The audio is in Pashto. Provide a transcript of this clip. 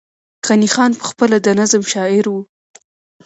غني خان پخپله د نظم شاعر وو